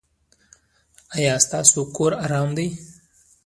ایا ستاسو کور ارام دی؟